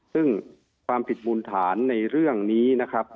ซึ่งความผิดมูลฐานในเรื่องนี้นะครับ